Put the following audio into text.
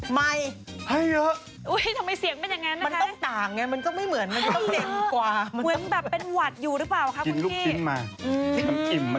มันต้องต่างไงมันก็ไม่เหมือนมันต้องเป็นกว่าเหมือนแบบเป็นหวัดอยู่หรือเปล่าครับกินลูกชิ้นมา